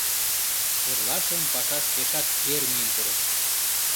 Эрлашым пашаш пешак эр миен пурыш.